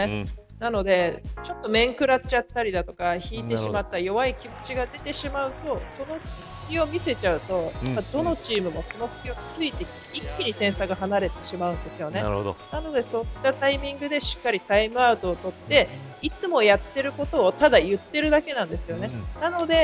なので面食らっちゃったり引いてしまったり弱い気持ちが出てしまうとそのすきを見せちゃうとどのチームも隙を突いて一気に点差が離れてしまうんですなので、そういったタイミングでしっかりタイムアウトを取っていつもやってることをただ言ってるだけなんです。